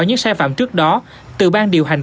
những sai phạm trước đó từ bang điều hành